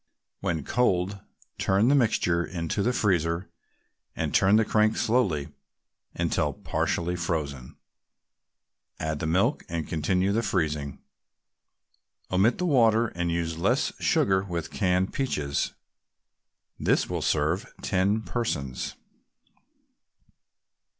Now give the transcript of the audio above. When cold, turn the mixture into the freezer and turn the crank slowly until partly frozen; add the milk, and continue the freezing. Omit the water and use less sugar with canned peaches. This will serve ten persons.